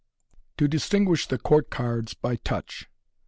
To Distinguish thb Court Cards by Touch.